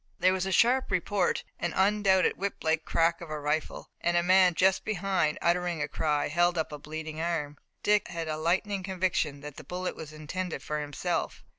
There was a sharp report, the undoubted whip like crack of a rifle, and a man just behind, uttering a cry, held up a bleeding arm. Dick had a lightning conviction that the bullet was intended for himself.